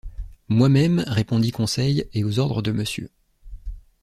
Moi-même, répondit Conseil, et aux ordres de monsieur.